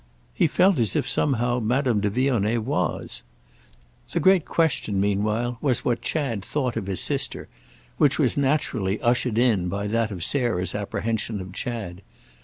He felt as if somehow Madame de Vionnet was. The great question meanwhile was what Chad thought of his sister; which was naturally ushered in by that of Sarah's apprehension of Chad.